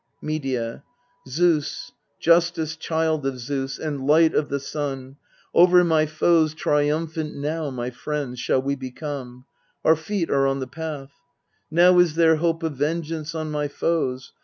Medea. Zeus, Justice child of Zeus, and Light of the Sun, Over rny foes triumphant now, my friends, Shall we become : our feet are on the path. Now is there hope of vengeance on my foes.